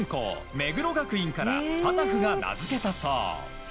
目黒学院からタタフが名付けたそう。